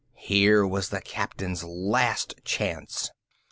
Here was the Captain's last chance.